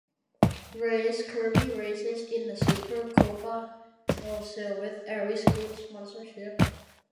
Reyes currently races in the Super Copa Telcel with Arris Group sponsorship.